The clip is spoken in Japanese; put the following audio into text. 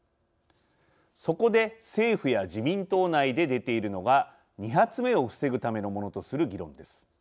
そこで政府や自民党内で出ているのが２発目を防ぐためのものとする議論です。